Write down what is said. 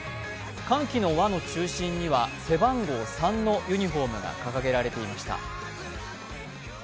歓喜の輪の中心には背番号３のユニフォームが掲げられていました。